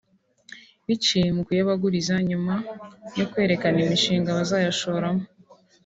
biciye mu kuyabaguriza nyuma yo kwerekana imishinga bazayashoramo